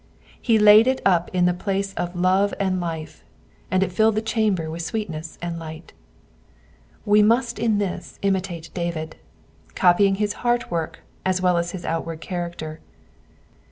He laid it up in the place of love and life, and it filled the chamber with sweetness and light. Wo must in this imitate David, copying his heart work as well as his outward character.